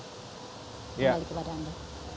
terima kasih kepada anda